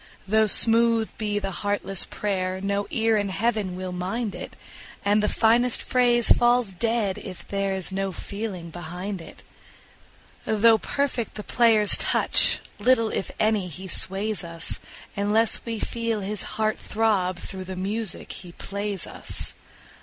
Though smooth be the heartless prayer, no ear in Heaven will mind it, And the finest phrase falls dead if there is no feeling behind it. Though perfect the player's touch, little, if any, he sways us, Unless we feel his heart throb through the music he plays us.